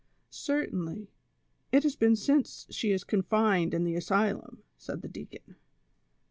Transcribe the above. "Certainly; it has been since she is confined in the asylum," said the deacon.